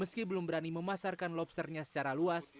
meski belum berani memasarkan lobsternya secara luas